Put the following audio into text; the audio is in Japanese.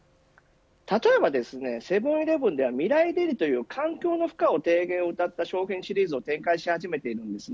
例えばセブン‐イレブンではみらいデリという環境負荷の低減をうたった商品シリーズを展開し始めています。